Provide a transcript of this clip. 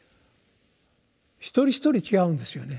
一人一人違うんですよね。